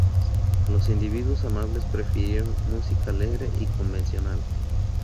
Los individuos amables prefirieron música alegre y convencional.